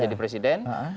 jadi itu yang berarti